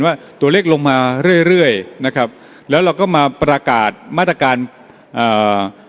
ว่าตัวเลขลงมาเรื่อยเรื่อยนะครับแล้วเราก็มาประกาศมาตรการอ่า